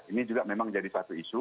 ini juga memang jadi satu isu